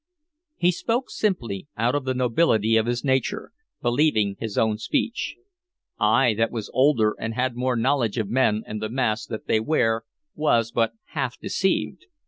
He spoke simply, out of the nobility of his nature, believing his own speech. I that was older, and had more knowledge of men and the masks that they wear, was but half deceived.